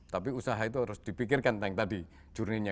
tapi usaha itu harus dipikirkan kayak tadi journey nya